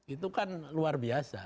itu kan luar biasa